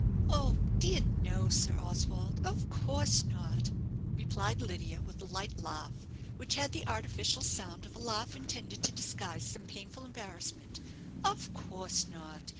"Oh, dear no, Sir Oswald; of course not," replied Lydia, with a light laugh, which had the artificial sound of a laugh intended to disguise some painful embarrassment. "Of course not.